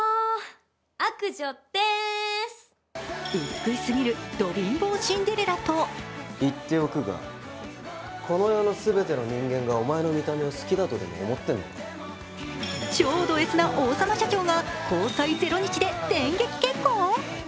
美しすぎるド貧乏シンデレラと超ドＳな王様社長が交際ゼロ日で電撃結婚！？